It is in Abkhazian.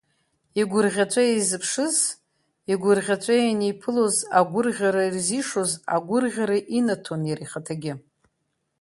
Игәырӷьаҵәа изыԥшыз, игәырӷьаҵәа ианиԥылоз агәырӷьара ирзишоз агәырӷьара инаҭон иара ихаҭагьы.